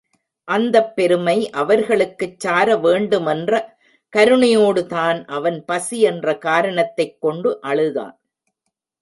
அந்தப் பெருமை அவர்களுக்குச் சார வேண்டுமென்ற கருணையோடுதான் அவன் பசி என்ற காரணத்தைக் கொண்டு அழுதான்.